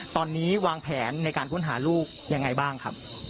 ตอนนี้วางแผนในการค้นหาลูกยังไงบ้างครับ